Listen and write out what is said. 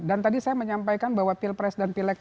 dan tadi saya menyampaikan bahwa pilpres dan pilegasi